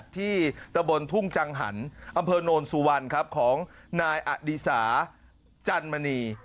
ที่ตะบนทุ่งจังหันอำเภอโนนสุวรรณของนายอดีสาจันมณี